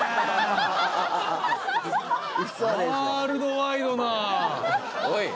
ワールドワイドなおい！